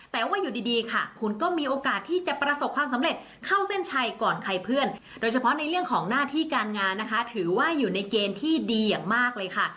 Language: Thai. แต่ว่าอยู่ดีค่ะคุณก็มีโอกาสที่จะประสบความสำเร็จเข้าเส้นชัยก่อนใครเพื่อนโดยเฉพาะในเรื่องของหน้าที่การงานนะคะถือว่าอยู่ในเกณฑ์ที่ดีอย่างมากเลยค่ะ